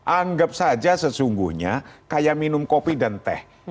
anggap saja sesungguhnya kayak minum kopi dan teh